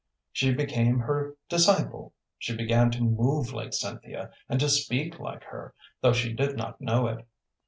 She became her disciple. She began to move like Cynthia, and to speak like her, though she did not know it.